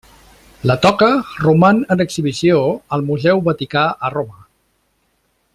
La toca roman en exhibició al Museu Vaticà a Roma.